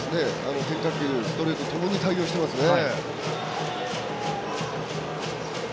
変化球、ストレートともに対応してますね。